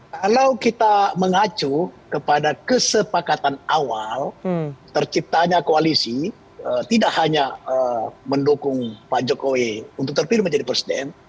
kalau kita mengacu kepada kesepakatan awal terciptanya koalisi tidak hanya mendukung pak jokowi untuk terpilih menjadi presiden